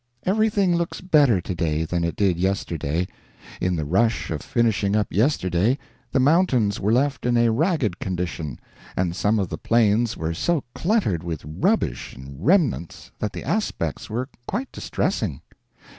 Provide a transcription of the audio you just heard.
Everything looks better today than it did yesterday. In the rush of finishing up yesterday, the mountains were left in a ragged condition, and some of the plains were so cluttered with rubbish and remnants that the aspects were quite distressing.